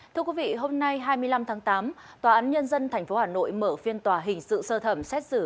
thưa quý vị hôm nay hai mươi năm tháng tám tòa án nhân dân tp hà nội mở phiên tòa hình sự sơ thẩm xét xử